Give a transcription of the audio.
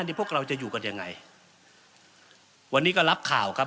นี่พวกเราจะอยู่กันยังไงวันนี้ก็รับข่าวครับ